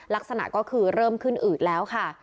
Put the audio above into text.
ลักษณะก็คือเริ่มขึ้นอืดแล้วค่ะ